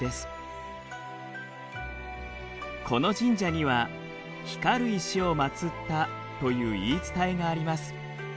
この神社には光る石をまつったという言い伝えがあります。